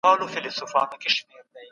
د اسلام دین د حق او رښتیا لاره ده.